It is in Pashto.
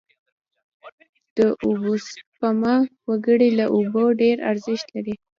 داوبوسپما وکړی او اوبه ډیر ارښت لری